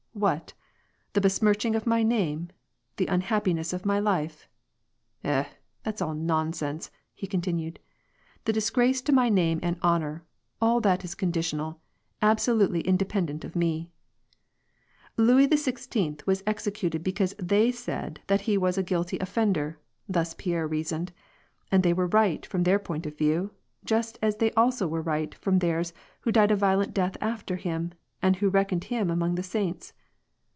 What ? The besmirching of my name ? the un happiness of my life ? eh ! that's all nonsense," he continued, *^the disgrace to my name and honor^ all that is conditional, absolutely independent of me. ^ Louis XVI. was executed because the}/ said that he was a guilty offender," thus Pierre reasoned, " and they were right from their point of view, just as they also were right from theirs who died a violent death after him, and who reckoned him among the saints.